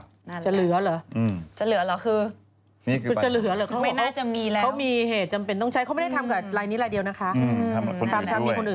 คือจะเหลือหรือ